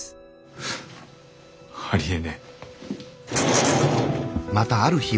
フッありえねえ。